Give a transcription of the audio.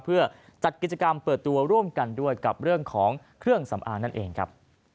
เพื่อจัดกิจกรรมเปิดตัวร่วมกันด้วยกับเรื่องของเครื่องสำอางนั่นเองครับ